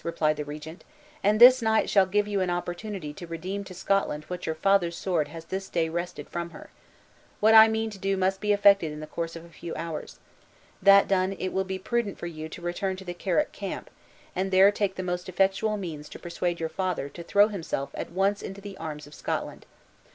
replied the regent; "and this night shall give you an opportunity to redeem to Scotland, what your father's sword has this day wrested from her. What I mean to do must be effected in the course of a few hours. That done, it will be prudent for you to return to the Carrick camp; and there take the most effectual means to persuade your father to throw himself at once into the arms of Scotland.